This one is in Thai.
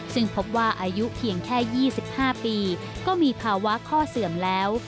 ซึ่งพบว่าอายุเพียงแค่๒๕ปีก็มีภาวะข้อเสื่อมแล้ว